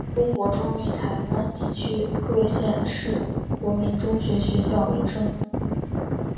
成功国中为台湾地区各县市国民中学学校名称。